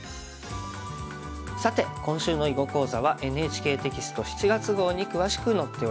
さて今週の囲碁講座はＮＨＫテキスト７月号に詳しく載っております。